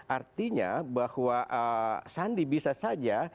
artinya bahwa sandi bisa saja